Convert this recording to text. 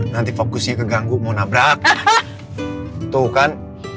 nanti fokusnya keganggu mau nabrak tuh kan